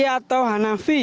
romli atau hanafi